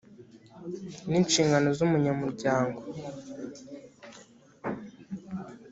n inshingano z umunyamuryango